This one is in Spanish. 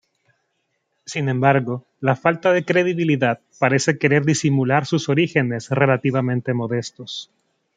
Sin embargo, la falta de credibilidad, parece querer disimular sus orígenes relativamente modestos.